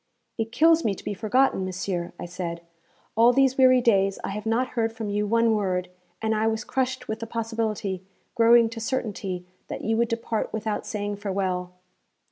'It kills me to be forgotten, monsieur,' I said. 'All these weary days I have not heard from you one word, and I was crushed with the possibility, growing to certainty, that you would depart without saying farewell.'